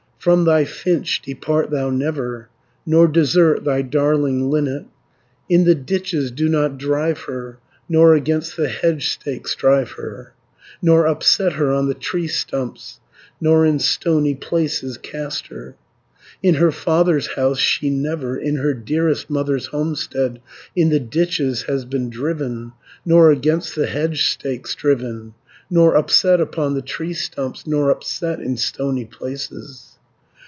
90 From thy finch depart thou never, Nor desert thy darling linnet; In the ditches do not drive her, Nor against the hedge stakes drive her, Nor upset her on the tree stumps, Nor in stony places cast her. In her father's house she never, In her dearest mother's homestead, In the ditches has been driven, Nor against the hedge stakes driven, 100 Nor upset upon the tree stumps, Nor upset in stony places.